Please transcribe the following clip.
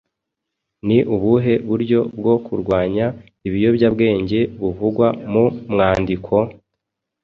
Ni ubuhe buryo bwo kurwanya ibiyobyabwenge buvugwa mu mwandiko?